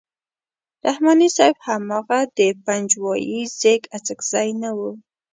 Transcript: رحماني صاحب هماغه د پنجوایي زېږ اڅکزی نه وو.